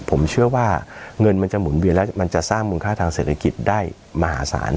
ผมเชื่อว่าเงินมันจะหมุนเวียนแล้วมันจะสร้างมูลค่าทางเศรษฐกิจได้มหาศาล